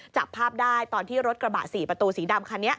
จับภาพได้ตอนที่รถกระบะ๔ประตูสีดำคันนี้